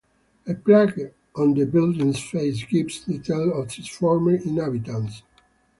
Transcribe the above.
A plaque on the building's face gives details of its former inhabitants.